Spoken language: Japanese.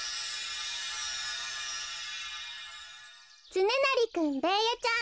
つねなりくんベーヤちゃん